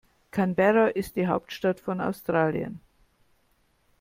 Canberra ist die Hauptstadt von Australien.